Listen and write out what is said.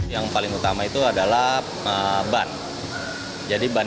yang paling utama itu adalah ban